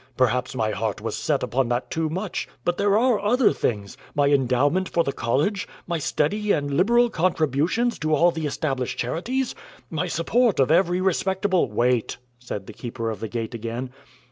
Perhaps my heart was set upon that too much. But there are other things my endowment for the college my steady and liberal contributions to all the established charities my support of every respectable " "Wait," said the Keeper of the Gate again.